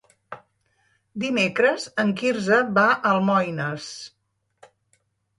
Dimecres en Quirze va a Almoines.